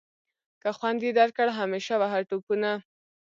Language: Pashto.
که خوند یې درکړ همیشه وهه ټوپونه.